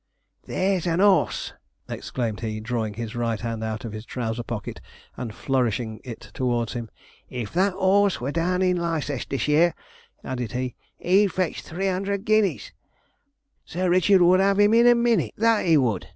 'There's an 'orse!' exclaimed he, drawing his right hand out of his trouser pocket, and flourishing it towards him. 'If that 'orse were down in Leicestersheer,' added he, 'he'd fetch three 'under'd guineas. Sir Richard would 'ave him in a minnit _that he would!